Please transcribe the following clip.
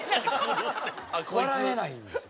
笑えないんですよね。